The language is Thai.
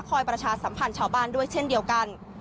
ประชาสัมพันธ์ชาวบ้านด้วยเช่นเดียวกัน